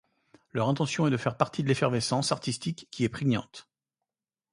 Leur intention est de faire partie de l'effervescence artistique qui y est prégnante.